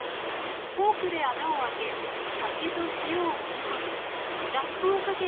フォークで穴をあけ酒と塩をもみ込みラップをかけてレンジに。